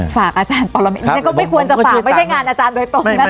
ฝากอาจารย์ปรมิตฉันก็ไม่ควรจะฝากไม่ใช่งานอาจารย์โดยตรงนะคะ